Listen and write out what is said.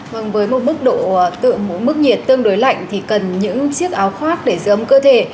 với một mức nhiệt tương đối lạnh thì cần những chiếc áo khoác để giữ ấm cơ thể